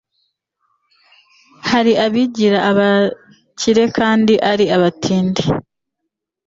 hari abigira abakire kandi ari abatindi